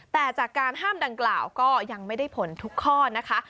แต่จากการห้ามดังกล่าวก็ยังไม่ได้ผลทุกข้อนะคะ